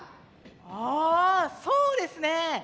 ああそうですね！